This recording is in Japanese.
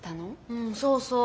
うんそうそう。